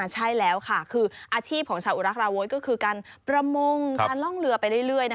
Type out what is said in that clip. ใช่แล้วค่ะคืออาชีพของชาวอุรักราวุฒิก็คือการประมงการล่องเรือไปเรื่อย